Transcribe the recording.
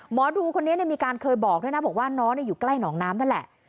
หมอดูคนนี้มีการเคยบอกด้วยนะบอกว่าน้องอยู่ใกล้หนองน้ำนั่นแหละ